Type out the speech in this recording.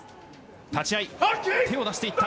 立ち合い、手を出していった。